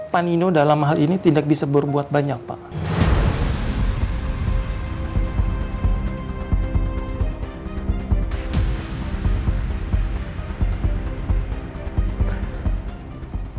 pak nino dalam hal ini tidak bisa berbuat banyak pak